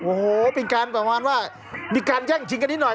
โอ้โหเป็นการประมาณว่ามีการแย่งชิงกันนิดหน่อย